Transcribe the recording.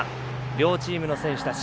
両チームの選手たち。